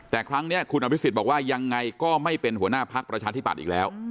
แต่ครั้งนี้คุณอภิษฎบอกว่ายังไงก็ไม่เป็นหัวหน้าพักประชาธิบัตย์อีกแล้ว